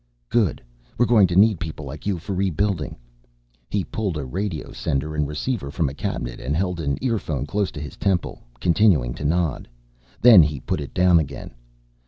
"Good, we're going to need people like you for rebuilding." He pulled a radio sender and receiver from a cabinet and held an earphone close to his temple, continuing to nod. Then he put it down again.